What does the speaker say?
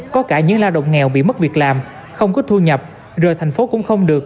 có cả những lao động nghèo bị mất việc làm không có thu nhập rồi thành phố cũng không được